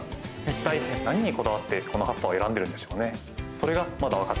一体何にこだわってこの葉っぱを選んでるんでしょうね。